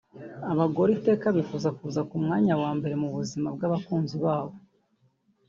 Abagore iteka bifuza kuza ku mwanya wa mbere mu buzima bw’abakunzi babo